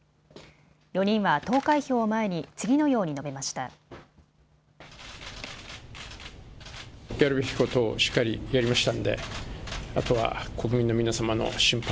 ４人は投開票を前に次のように述べました。